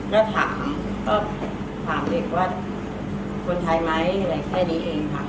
ก็ถามก็ถามเด็กว่าคนไทยไหมอะไรแค่นี้เองค่ะ